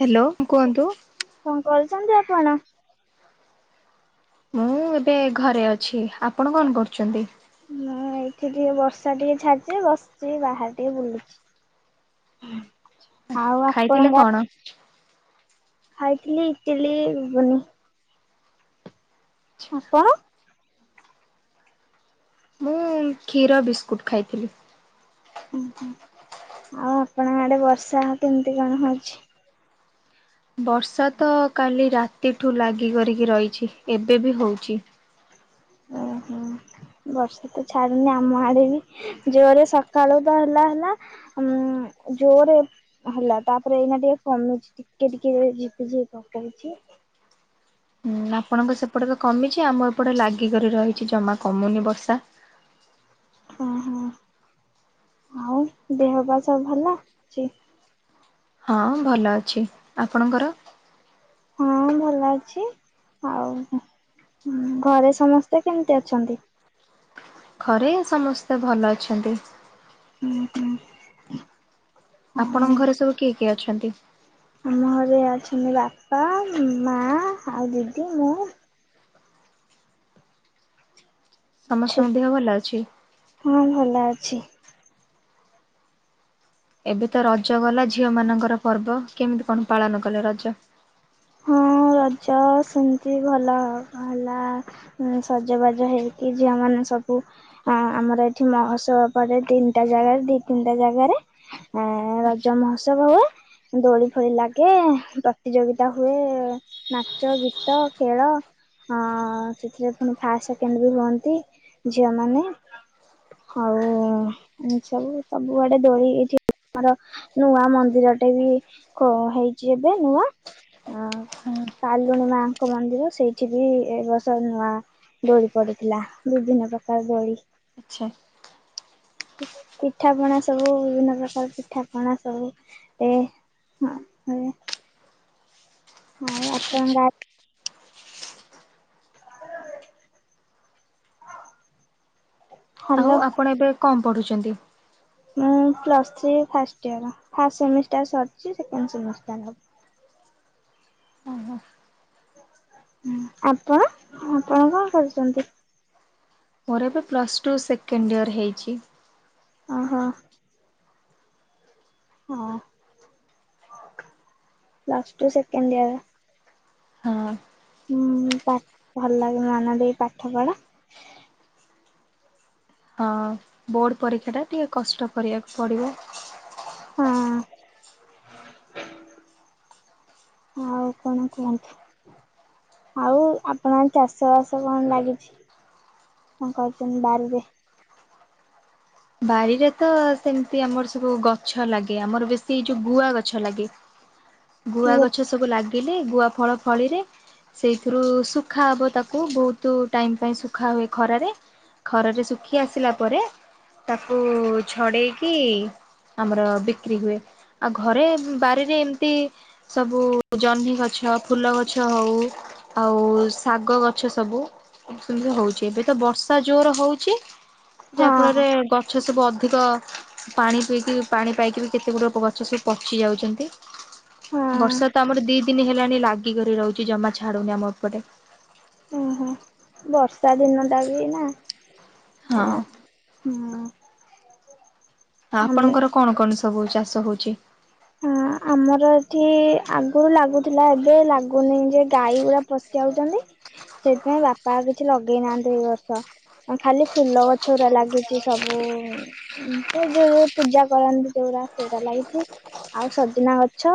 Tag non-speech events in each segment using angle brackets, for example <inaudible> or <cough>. Hello କୁହନ୍ତୁ। କଣ କରୁଛନ୍ତି ଆପଣ? ମୁଁ ଏବେ ଘରେ ଅଛି। ଆପଣ କଣ କରୁଛନ୍ତି? ମୁଁ ଏଇଠି ଟିକେ ବର୍ଷା ଟିକେ ଛାଡିଚି ଯେ ବସିଚି ବାହାରେ ଟିକେ ବୁଲୁଛି। ଆଉ ଖାଇଥିଲେ ଆପଣଙ୍କ କଣ? ଖାଇଥିଲି ଇଟିଲି ଗୁଗୁନି। ଆପଣ? ମୁଁ କ୍ଷୀର ବିସ୍କୁଟ୍ ଖାଇଥିଲି। ଓ ହଁ ଆଉ ଆପଣଙ୍କ ଆଡେ ବର୍ଷା କେମିତି କଣ ହଉଛି? ବର୍ଷା ତ କାଲି ରାତିଠୁ ଲାଗି କରିକି ରହିଛି ଏବେ ବି ହଉଚି। ଓ ହଁ ବର୍ଷା ତ ଛାଡୁନି ଆମ ଆଡେ ବି। ଜୋରେ ସକାଳୁ ତ ହେଲା ହେଲା ଉଁ, ଜୋରେ ହେଲା। ତାପରେ ଏଇନା ଟିକେ କମିଛି। ଟିକେ ଟିକେ ଝିପି ଝିପି ପକଉଛି। ନା ଆପଣଙ୍କ ସେପଟ ତ କମିଛି। ଆମ ଏପଟେ ଲାଗିକରି ରହିଛି ଜମା କମୁନି ବର୍ଷା। ଓ ହଁ ଆଉ ଦେହ ପା ସବୁ ଭଲ ଛି? ହଁ ଭଲ ଅଛି। ଆପଣଙ୍କର? ହଁ ଭଲ ଅଛି। ଆଉ ଘରେ ସମସ୍ତେ କେମିତି ଅଛନ୍ତି? ଘରେ ସମସ୍ତେ ଭଲ ଅଛନ୍ତି। ହୁଁ, ହୁଁ। ଆପଣଙ୍କ ଘରେ ସବୁ କିଏ କିଏ ଅଛନ୍ତି? ଆମ ଘରେ ଅଛନ୍ତି ବାପା, ମା ଆଉ ଦିଦି ମୁଁ। ସମସ୍ତଙ୍କ ଛୁ ଦେହ ଭଲ ଅଛି? ହଁ ଭଲ ଅଛି। ଏବେ ତ ରଜ ଗଲା ଝିଅ ମାନଙ୍କର ପର୍ବ। କେମିତି କଣ ପାଳନ କଲେ ରଜ? ହଁ ରଜ ସେମିତି ଭଲ ହେଲା। ଏଁ, ସଜବାଜ ହେଇକି ଝିଅ ମାନେ ସବୁ ହଁ ଆମର ଏଠି ମହୋତ୍ସବ ପରେ ତିନିଟା ଜାଗାରେ ଦି ତିନିଟା ଜାଗାରେ। ଆ, ରଜ ମହୋତ୍ସବ ହୁଏ। ଦୋଳି ଫୋଳି ଲାଗେ ପ୍ରତିଯୋଗି ତା ହୁ ନାଚ, ଗୀତ, ଖେଳ ହ ସେଥିରେ ପୁଣି ଫା ସେକେଣ୍ଡ ବି ହୁଅନ୍ତି ଝିଅ ମାନେ। ହଉ ଏ ସବୁ ସବୁଆଡେ ଦୋଳି ଏଠି ଆମର ନୂଆ ମନ୍ଦିରଟେ ବି ଖୋ-ହେଇଚି ଏବେ ନୂଆ। ଆ, ଆଚ୍ଛା କାଲୁଣୀ ମାଙ୍କ ମନ୍ଦିର ସେଇଠି ବି ଏ ବର୍ଷ ନୂଆ। ଦୋଳି ପଡିଥିଲା, ବିଭିନ୍ନ ପ୍ରକାର ଦୋଳି। ଆଚ୍ଛା। ପିଠା ପଣା ସବୁ ବିଭିନ୍ନ ପ୍ରକାର ପିଠା ପଣା ସବୁ ତେବେ ହଁ ହେବେ। ଆଉ ଆପଣ ଗା ଆଉ ହାଲୋ। ଆପଣ ଏବେ କଣ ପଢୁଛନ୍ତି? ମୁଁ plus three first year. First semester ସରିଛି। ସେକେଣ୍ଡ ସେମିଷ୍ଟାର୍ ହବ। ଓହୋ ହଁ ଆପଣ ଆପଣ କଣ କରୁଚନ୍ତି? ମୋର ଏବେ ପ୍ଲସ୍ ଟୁ ସେକେଣ୍ଡ ଇୟର୍ ହେଇଛି। ଓହୋ। ହଁ ପ୍ଲସ୍ ଟୁ ସେକେଣ୍ଡ ଇୟର୍। ହଁ। ହୁଁ ପା ଭଲ ଲାଗି ମନ ଦେଇ ପାଠ ପଢ। ହଁ। ବୋର୍ଡ ପରୀକ୍ଷା ଟା ଟିକେ କଷ୍ଟ କରିବାକୁ ପଡିବ। ହଁ ଆଉ କଣ କୁହନ୍ତୁ? ଆଉ ଆପଣଙ୍କ ଚାଷ ବାସ କଣ ଲାଗିଛି? କଣ କରଚନ୍ ବାରିରେ? ବାରିରେ ତ ସେମିତି ଆମର ସବୁ ଗଛ ଲାଗେ। ଆମର ବେଶୀ ଯୋଉ ଗୁଆ ଗଛ ଲାଗେ। କି ଗୁଆ ହଁ ଗଛ ସବୁ ଲାଗିଲେ ଗୁଆ ଫଳ ଫଳିଲେ ସେଇଥିରୁ ଶୁଖା ହେବ ତାକୁ ବହୁତ ଟାଇମ୍ ପାଇଁ ଶୁଖା ହୁଏ ଖରାରେ। ଖରାରେ ଶୁଖି ଆସିଲା ପରେ ତାକୁ ଛଡ଼େଇକି ଆମର ବିକ୍ରି ହୁଏ ଆଉ ଘରେ ବାରିରେ ଏମିତି ସବୁ ଜହ୍ନି ଗଛ ଫୁଲ ଗଛ ହଉ ଆଉ ଶାଗ ଗଛ ସବୁ ଏସବୁ ହଉଛି ଏବେ ତ ବର୍ଷା ଜୋର ହଉଛି ଯାହା ଫଳରେ ଗଛ ସବୁ ଅଧିକ ପାଣି ପିଇକି ପାଣି ପାଇକି ବି କେତେ ଗୁଡ଼ଏ ଗଛ ସବୁ ପଚି ଯାଉଛନ୍ତି। ହଁ ବର୍ଷା ତ ଆମର ଦି ଦିନ ହେଲାଣି ଲାଗିିକରି ରହୁଛି ଜମା ଛାଡୁନି ଆମ ଉପଟେ। ଓହୋ ବର୍ଷା ଦିନ ଟା ବି ନା ହେଁ ହଁ। ହଁ। ଆପଣଙ୍କର କଣ କଣ ସବୁ ଚାଷ ହଉଛି? ହଁ ଆମର ଏଠି ଆଗରୁ ଲାଗୁଥିଲା ଏବେ ଲାଗୁନି ଯେ ଗାଈ ଗୁଡା ପସି ଯାଉଛନ୍ତି ସେଥିପାଇଁ ବାପା ବା କିଛି ଲଗେଇ ନାହାନ୍ତି ଏଇ ବର୍ଷ ଖାଲି ଫୁଲ ଗଛ ଗୁରା ଲାଗିଛି। ସବୁ ସେ ଯୋଉ ଯୋଉ ପୂଜା କରନ୍ତି ଯୋରା ସେଇରା ଲାଗିଛି। ଆଉ ସଜନା ଗଛ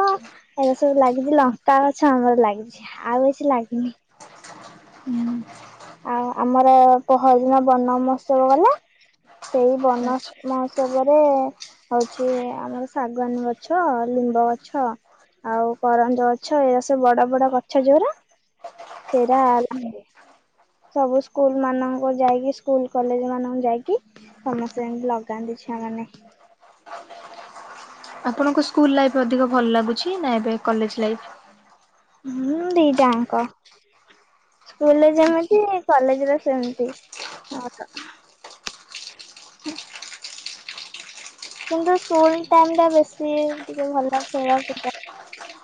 ଏରା ସବୁ ଲାଗିଛି ଲଙ୍କା ଗଛ ଆମର ଲାଗିଛି। ଆଉ କିଛି ଲାଗନି। ହୁଁ। ଆଉ ଆମର ପହରଦିନ ବନ ମହୋତ୍ସବ ଗଲା ସେଇ ବନ ଆଚ୍ଛା। ମହୋ ଉତ୍ସବରେ ହଉଛି ଆମର ଶାଗୁଆନ ଗଛ ଲିମ୍ବ ଗଛ। ଆଉ କରଞ୍ଜ ଗଛ ଏଇଟା ସବୁ ବଡ ବଡ ଗଛ ଯୋଉରା ସେରା। ସବୁ ସ୍କୁଲ ମାନଙ୍କୁ ଯାଇକି ସ୍କୁଲ କଲେଜ ମାନଙ୍କୁ ଯାଇକି ସମସ୍ତେ ଯାଇକି ଲଗାନ୍ତି ଛୁଆମାନେ। ଆପଣଙ୍କୁ ସ୍କୁଲ ଲାଇଫ୍ ଅଧିକ ଭଲ ଲାଗୁଛି ନା ଏବେ କଲେଜ ଲାଇଫ୍? ହୁଁ ଦିଟାଙ୍କ। ସ୍କୁଲ ରେ ଆଚ୍ଛା। ଯେମିତି କଲେଜରେ ସେମିତି ଆଉ। ହୁଁ କିନ୍ତୁ ସ୍କୁଲ ଟାଇମ୍ ଟା ବେଶୀ ଟିକେ ଭଲ ଖେଳକୁଦ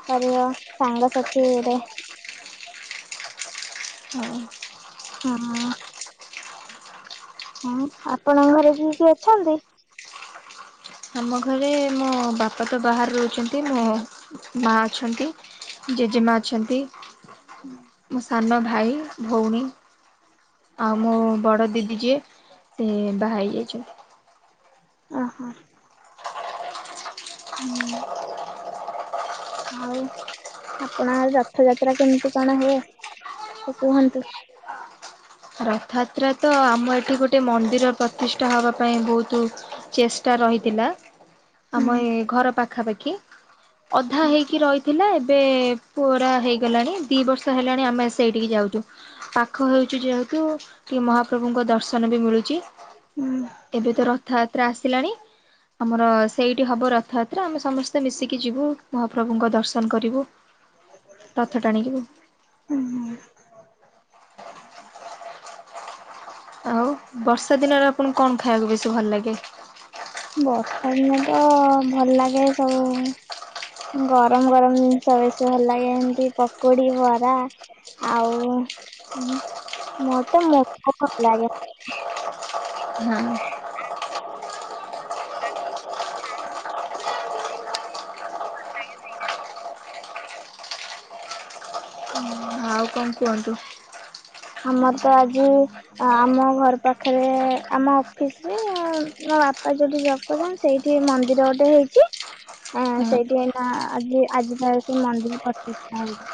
କରିବ ସାଙ୍ଗସାଥି ଗୁରେ। <inaudible> ହଉ। ହଁ। ହଁ ଆପଣଙ୍କ ଘରେ କିଏ କିଏ ଅଛନ୍ତି? ଆମ ଘରେ ମୋ ବାପା ତ ବାହାରେ ରହୁଛନ୍ତି ମୋ ମା ଅଛନ୍ତି। ଜେଜେମା ଅଛନ୍ତି ମୋ ସାନ ଭାଇ ଭଉଣୀ ଆଉ ମୋ ବଡ଼ ଦିଦି ଯିଏ ସେ ବହାହେଇ ଜାଇ ଛନ୍ତି। ଓହୋ‌। ହୁଁ। ଆଉ ଆପଣ ଆଡେ ରଥଯାତ୍ରା କେମିତି କଣ ହୁଏ ଟିକେ କୁହନ୍ତୁ? ରଥଯାତ୍ରା ତ ଆମ ଏଠି ଗୋଟେ ମନ୍ଦିର ପ୍ରତିଷ୍ଠା ହବା ପାଇଁ ବହୁତ ଚେଷ୍ଟା ଟା ରହିଥିଲା। ହୁଁ ଆମ ଏ ଘର ପାଖାପାଖି ଅଧା ହେଇକି ରହିଥିଲା ଏବେ ପୁରା ହେଇଗଲାଣି ଦି ବର୍ଷ ହେଲାଣି ଆମେ ସେଇଠିକି ଯାଉଛୁ ପାଖ ହେଉଛି ଯେହେତୁ କି ମହାପ୍ରଭୁଙ୍କ ଦର୍ଶନ ବି ମିଳୁଛି ଏବେ ତ ରଥଯାତ୍ରା ଆସିଲାଣି ଆମର ସେଇଠି ହବ ରଥଯାତ୍ରା ଆମେ ସମସ୍ତେ ମିଶିକି ଯିବୁ ମହାପ୍ରଭୁଙ୍କ ଦର୍ଶନ କରିବୁ। ରଥ ଟାଣିକିବୁ। ଉଁ- ହୁଁ। ଆଉ ବର୍ଷା ଦିନରେ, ଆପଣଙ୍କୁ କଣ ଖାଇବାକୁ ବେଶୀ ଭଲ ଲାଗେ? ବର୍ଷା ଦିନେ ତ ଭଲ ଲାଗେ ସବୁ ଗରମ ଗରମ ଜିନିଷ ବେଶୀ ଭଲ ଲାଗେ। ଏମିତି ପକୁଡି, ବରା ଆଉ ମତେ ମୁଗ ଭଲ ଲାଗେ। <inaudible> ହଁ। ହୁଁ। ଆଉ କଣ କୁହନ୍ତୁ? ଆମର ତ ଆଜି ଆମ ଘର ପାଖରେ ଆମ ଅଫିସ ରେ ମୋ ବାପା ଯୋଉଠି ଜ ବ୍ କରୁଛନ୍ତି, ସେଇଠି ମନ୍ଦିର ଗୋଟେ ହେଇଛି। ହଁ ସେଇଠି ଏଇନା ଆଜି, ଆଜି ତା ସେ ମନ୍ଦିର ପ୍ରତିଷ୍ଠା ହଉଛି।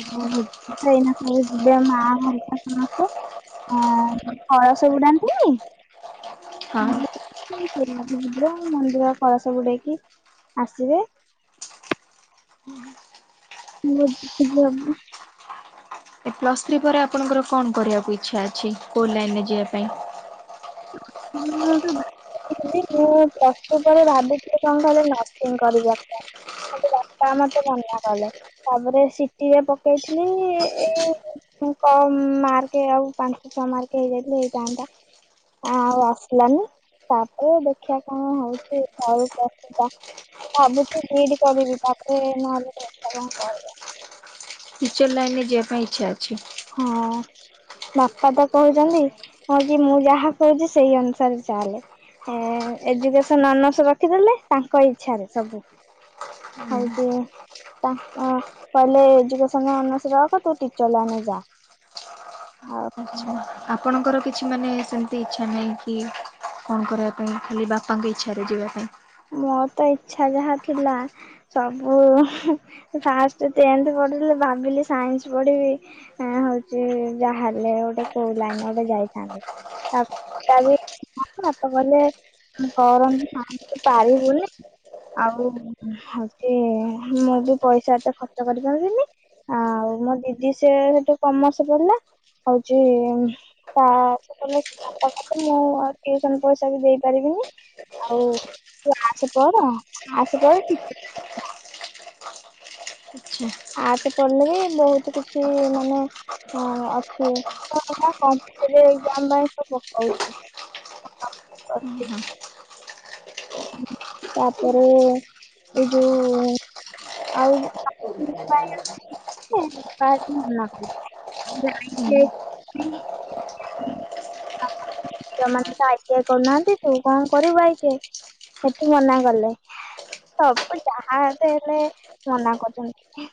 ଯିବେ ସବୁ ଏଇନା, ଯିବେ ମା ହରିକା ସମସ୍ତେ। ହୁଁ କଳସ ବୁଡ଼ାନ୍ତିନି? ହଁ। <unintelligible> ମନ୍ଦିର କଳସ ବୁଡେଇକି ଆସିବେ। ହୁଁ <unintelligible> ଏ ପ୍ଲସ ଥ୍ରୀ ପରେ ଆପଣଙ୍କର କଣ କରିବାକୁ ଇଚ୍ଛା ଅଛି, କୋଉ ଲାଇନରେ ଯିବା ପାଇଁ? <unintelligible> ଦିଦି ମୁଁ ପ୍ଲସ ଟୁ ପରେ ଭାବିଥିଲି, କଣ କହିଲେ ନର୍ସିଂ କରିବା ପାଇଁ। କିନ୍ତୁ ବାପା ମତେ ମନା କଲେ, ତାପରେ ସି ଟିରେ ପକେଇଥିଲି ମୁଁ କମ୍ ମାର୍କ, ଆଉ ପାଞ୍ଚ ଛଅ ମାର୍କ ହେଇଯାଇଥିଲେ ହେଇଥାନ୍ତା। ଆଉ ଆସିଲାନି, ତାପରେ ଦେଖିବା କଣ ହଉଛି। <unintelligible> ଭାବୁଛି ବି ଇ ଡି କରିବି, ତାପରେ ନହେଲେ କଥା କଣ କହିବା। ଟିଚର ଲାଇନରେ ଯିବା ପାଇଁ ଇଚ୍ଛା ଅଛି। ହଁ। ବାପା ତ କହୁଛନ୍ତି, ହଁ କି ମୁଁ ଯାହା କହୁଛି ସେଇ ଅନୁସାରେ ଚାଲେ। ଏଜୁକେସନ ଅନର୍ସ ରଖିଦେଲେ, ତାଙ୍କ ଇଚ୍ଛାରେ ସବୁ। <unintelligible> ତା କହିଲେ ଏଜୁକେସନ ଅନର୍ସ ରଖ, ତୁ ଟିଚର ଲାଇନ୍ ରେ ଯା। ଆ ଆଚ୍ଛା ଆପଣଙ୍କର କିଛି ମାନେ ସେମିତି ଇଛା ନାହିଁ କି କଣ କରିବା ପାଇଁ, ଖାଲି ବାପାଙ୍କ ଇଚ୍ଛାରେ ଯିବା ପାଇଁ। ମୋର ତ ଇଛା ଯାହା ଥିଲା ସବୁ ଫାଷ୍ଟ ଟେନଥ ପଢ଼ିଲି, ଭାବିଲି ସାଇନ୍ସ ପଢ଼ିବି। ଏଁ ହଉଛି ଯାହା ହେଲେ, ଗୋଟେ କୋଉ ଲାଇନରେ ଗୋଟେ ଯାଇଥାନ୍ତି? <unintelligible> ବାପା କହିଲେ କରନି ଆଉ। ପାରିବୁନି ଆଉ ହଉଛି ମୁଁ ବି ପଇସା ଏତେ ଖର୍ଚ୍ଚ କରିପାରିବିନି। ଆଉ ମୋ ଦିଦି ସେ ଗୋଟେ କମର୍ସ ପଢିଲା। ହଉଚି ତ ସେବେ ବାପ ବି କହିଲେ ମୁଁ ଟିଉସନ ପଇସା ବି ଦେଇ ପାରିବିନି ଆଉ ତୁ ଆର୍ଡସ୍ ପଢ଼, ଆର୍ଡସ୍ ପଢ଼ ଟି ଆଚ୍ଛା ଆର୍ଟସ୍ ପଢିଲେ ବି ବହୁତ କିଛି ମାନେ ହଁ ଅଛି <unintelligible> ହୁଁ- କରୁଛି ହୁଁ। ତାପରେ ଏ ଯୋଉ ଆଉ <unintelligible> ହୁଁ <unintelligible> ପୁଅ ମାନେ ତ ଆଇ ଟି ଆଇ କରୁନାହାନ୍ତି, ତୁ କଣ କରିବୁ ଆଇ ଟି ଆଇ। ସେଠୁ ମନା କଲେ ସବୁ ଯାହା ହେଲେ ହେଲେ ମନା କରୁଚନ୍ତି।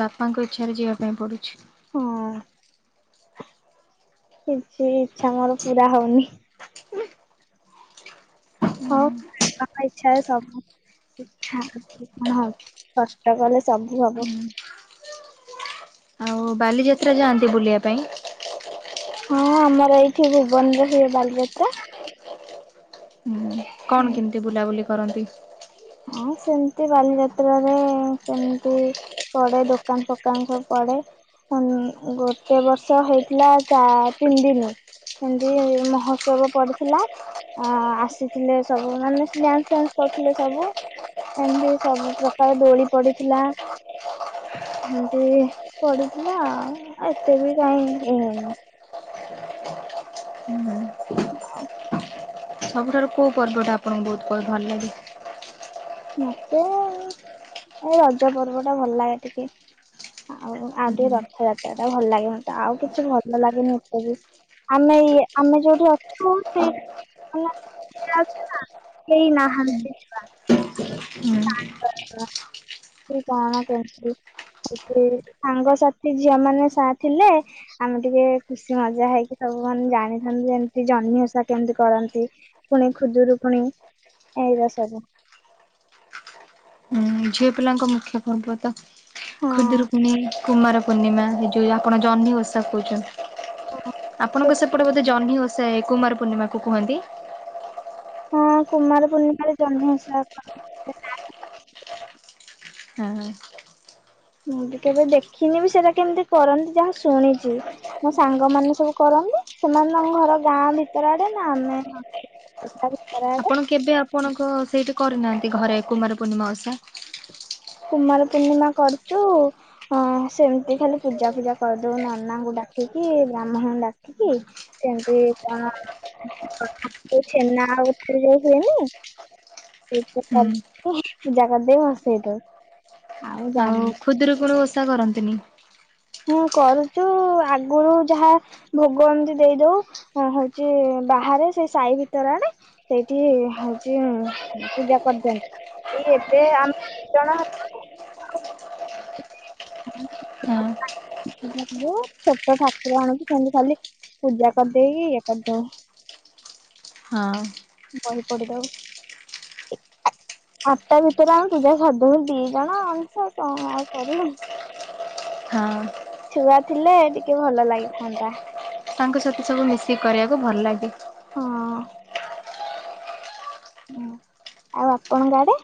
ବାପାଙ୍କ ଇଚ୍ଛାରେ ଯିବା ପାଇଁ ପଡ଼ୁଛି। ହୁଁ କିଛି ଇଚ୍ଛା ମୋର ପୁରା ହଉନି। ହଁ <unintelligible> ଇଚ୍ଛା ରେ ସବୁ। ହଁ <unintelligible> ହଁ କଷ୍ଟ କଲେ ସବୁ ହବ। <inaudible> ଆଉ ବାଲିଯାତ୍ରା ଯାଆନ୍ତି ବୁଲିବା ପାଇଁ? ହଁ ଆମର ଏଇଠି ଭୁବନ ରେ ହୁଏ ବାଲିଯାତ୍ରା। ହୁଁ କଣ କେମିତି ବୁଲାବୁଲି କରନ୍ତି? ହଁ ସେମିତି ବାଲିଯାତ୍ରାରେ ସେମିତି ପଡ଼େ ଦୋକାନ ଫୋକାନ ସବୁ ପଡ଼େ। ହଁ ଗୋଟେ ବର୍ଷ ହେଇଥିଲା ଚା ତିନି ଦିନି। ଏମିତି ମହୋଉତ୍ସବ ପଡ଼ିଥିଲା। ଆ ଆସିଥିଲେ ସବୁ ମାନେ ଡ୍ୟାନ୍ସ ଫ୍ୟାନ୍ସ କରୁଥିଲେ ସବୁ। ଏମିତି ସବୁ ପ୍ରକାର ଦୋଳି ପଡ଼ିଥିଲା। ଏମିତି ପଡ଼ିଥିଲା ଆଉ ଏତେ ବି କାଇଁ ଇଏ ହେଇନି। ହୁଁ। ଆଉ ସବୁଠାରୁ କୋଉ ପର୍ବଟା ଆପଣଙ୍କୁ ବହୁତ୍ <unintelligible> ଭଲ ଲାଗେ? ମତେ ଏଇ ରଜ ପର୍ବ ଟା ଭଲ ଲାଗେ ଟିକେ। ଆଉ ଆଉ ଟିକେ ହୁଁ ରଥଯାତ୍ରା ଟା ଭଲ ଲାଗେ ମତେ ଆଉ କିଛି ଭଲ ଲାଗେନି ଏତେ ବି। ଆମେ ଇଏ ଆମେ ଯୋଉଠି ଅଛୁ <unintelligible> <unintelligible> କେଇ ନାହାନ୍ତି <unintelligible> ହୁଁ। କି କଣ କେମିତି <unintelligible> ସାଙ୍ଗସାଥି ଝିଅ ମାନେ ସା ଥିଲେ ଆମେ ଟିକେ ଖୁସି ମଜା ହେଇକି ସବୁ ମାନେ ଜାଣିଥାନ୍ତୁ ଯେମିତି ଜହ୍ନି ଓଷା କେମିତି କରନ୍ତି? ଫୁଣି ଖୁଦୁରୁକୁଣୀ ଏଇରା ସବୁ। ଝିଅ ପିଲାଙ୍କ ମୁଖ୍ୟ ପର୍ବ ତ ହଁ। ଖୁଦୁରୁକୁୁଣୀ, କୁମାର ପୂର୍ଣ୍ଣିମା, ଏ ଯୋଉ ଆପଣ ଜହ୍ନି ଓଷା କହୁଛନ୍ତି। ହଁ ସେ ଆପଣଙ୍କ ସେପଟେ ବୋଧେ ଜହ୍ନି ଓଷା ଏ କୁମାର ପୂର୍ଣ୍ଣିମା କୁ କୁହନ୍ତି। ହଁ କୁମାର ପୂର୍ଣ୍ଣିମାରେ ଜହ୍ନି ଓଷା ହଁ। ମୁଁ ବି କେବେ ଦେଖିନି ବି ସେଇଟା କେମିତି କରନ୍ତି ଯାହା ଶୁଣିଛି। ମୋ ସାଙ୍ଗ ମାନେ ସବୁ କରନ୍ତି ସେମାନଙ୍କ ଘର ଗାଁ ଭିତର ଆଡ଼େ ନା ଆମେ <inaudible> ଆପଣ କେବେ ଆପଣଙ୍କ ସେଇଠି କରିନାହାନ୍ତି ଘରେ କୁମାର ପୂର୍ଣ୍ଣିମା ଓଷା? କୁମାର ପୂର୍ଣ୍ଣିମା କରିଚୁ। ହଁ ସେମିତି ଖାଲି ପୂଜା ଫୂଜା କରିଦଉ ନନାଙ୍କୁ ଡାକିକି ବ୍ରାହ୍ମଣଙ୍କୁ ଡାକିକି। ସେମିତି କଣ <unintelligible> ଛେନା <unintelligible> ହୁଏନି। ସେ <unintelligible> ହୁଁ କରି ପୂଜା କରିଦେଇ ଭସେଇ ଦଉ ଆଉ ଜାଣିନି। ଖୁଦୁରୁକୁଣୀ ଓଷା କରନ୍ତିନି? ହୁଁ କରୁଚୁ ଆଗରୁ ଯାହା ଭୋଗ ଏମିତି ଦେଇଦଉ ହଉଛି ବାହାରେ ସେଇ ସାହି ଭିତର ଆଡ଼େ ସେଇଠି ହଉଛି ପୂଜା କରିଦିଅନ୍ତି। ଏଇ ଏବେ ଆମେ ଦି ଜଣ <unintelligible> <inaudible> <unintelligible> ହଁ ଛୋଟ ଠାକୁର ଆଣିକି ସେମିତି ଖାଲି ପୂଜା କରିଦେଇକି ଇଏ କରିଦଉ। ହଁ ବହି ପଢି଼ଦଉ। ଆଠଟା ଭିତରେ ଆମେ ପୂଜା ସାରି ଦଉ। ଦି ଜଣ ମଣିଷ ଆଉ କଣ ଆଉ କରିବୁ? ହଁ। ଛୁଆ ଥିଲେ ଟିକେ ଭଲ ଲାଗିଥାନ୍ତା। ତାଙ୍କ ସହିତ ସବୁ ମିଶିକି କରିବାକୁ ଭଲ ଲାଗେ। ହଁ। ଉଁ ଆଉ ଆପଣଙ୍କ ଆଡ଼େ?